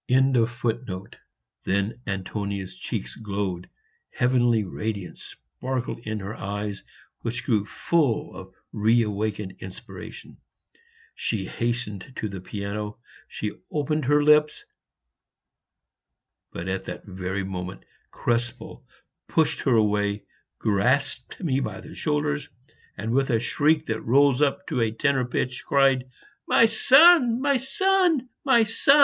] beautiful soul stirring songs. Then Antonia's cheeks glowed; heavenly radiance sparkled in her eyes, which grew full of reawakened inspiration; she hastened to the piano; she opened her lips; but at that very moment Krespel pushed her away, grasped me by the shoulders, and with a shriek that rose up to a tenor pitch, cried, "My son my son my son!'